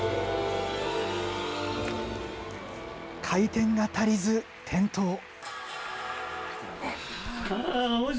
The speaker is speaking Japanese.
回転が足りず転倒。